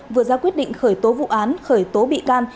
vừa ra quyết định khởi tố vụ án khởi tố bị can